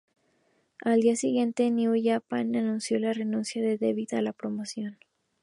Al día siguiente, New Japan anunció la renuncia de Devitt a la promoción.